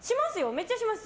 めちゃします。